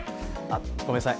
ごめんなさい。